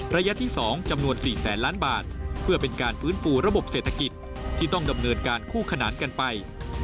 ระยะที่๒จำนวน๔แสนล้านบาทเพื่อเป็นการฟื้นฟูระบบเศรษฐกิจที่ต้องดำเนินการคู่ขนานกันไป